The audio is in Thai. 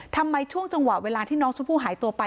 ช่วงจังหวะเวลาที่น้องชมพู่หายตัวไป